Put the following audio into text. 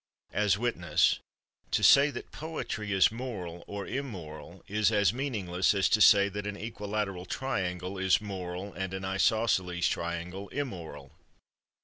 As witness: "To say that poetry is moral or immoral is as meaningless as to say that an equilateral triangle is moral and an isosceles triangle immoral."